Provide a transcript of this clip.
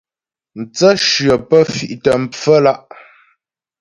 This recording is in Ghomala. Mtsə̂shyə pə́ fì'tə pfə́lǎ'.